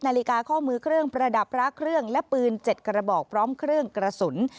นาฬิกาข้อมือเครื่องประดับพระเครื่องและปืน๗กระบอกพร้อมเครื่องกระสุน